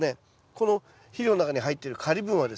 この肥料の中に入っているカリ分はですね